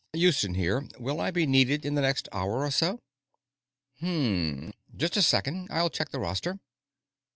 "Houston here; will I be needed in the next hour or so?" "Mmmm. Just a second; I'll check the roster.